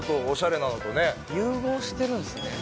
融合してるんすね。